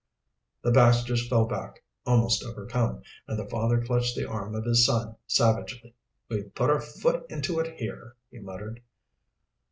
The Baxters fell back, almost overcome, and the father clutched the arm of his son savagely. "We've put our foot into it here," he muttered.